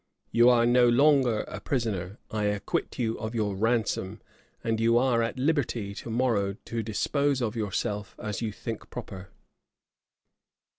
You are no longer a prisoner; I acquit you of your ransom; and you are at liberty to morrow to dispose of yourself as you think proper."